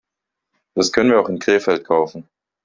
Das können wir auch in Krefeld kaufen